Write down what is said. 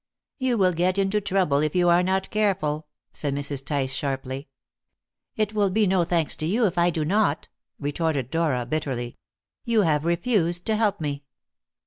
"You will get into trouble if you are not careful," said Mrs. Tice sharply. "It will be no thanks to you if I do not," retorted Dora bitterly. "You have refused to help me."